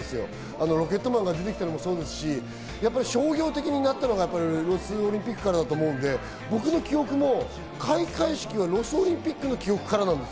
ロケットマンが出てきたのもそうですし、商業的になったのがロスオリンピックからだと思うので、僕の記憶も開会式はロスオリンピックからの印象です。